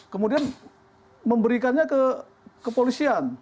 kemudian memberikannya ke kepolisian